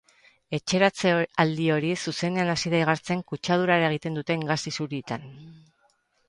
Etxeratze aldi hori zuzenean hasi da igartzen kutsadura eragiten duten gas isurietan.